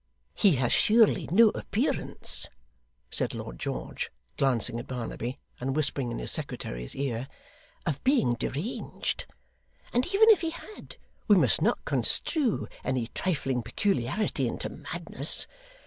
'He has surely no appearance,' said Lord George, glancing at Barnaby, and whispering in his secretary's ear, 'of being deranged? And even if he had, we must not construe any trifling peculiarity into madness.